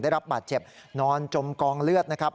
ได้รับบาดเจ็บนอนจมกองเลือดนะครับ